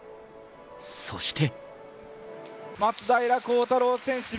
そして。